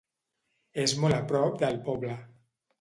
És molt a prop del poble.